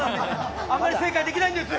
あまり正解できないんです。